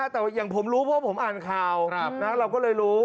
แต่อย่างผมรู้เพราะผมอ่านข่าวเราก็เลยรู้